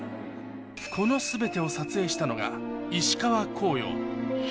この全てを撮影したのが職業は